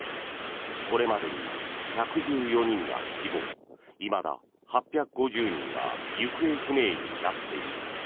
これまでに１１４人が死亡いまだ８５０人が行方不明になっている。